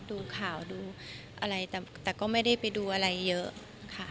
ดูข่าวดูอะไรแต่ก็ไม่ได้ไปดูอะไรเยอะค่ะ